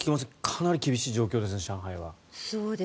かなり厳しい状況です、上海は。